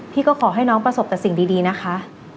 พี่ก็ขอให้น้องประสบแต่สิ่งดีนะคะ